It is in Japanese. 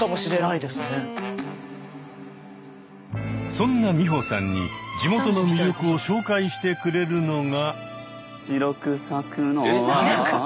そんな美穂さんに地元の魅力を紹介してくれるのが。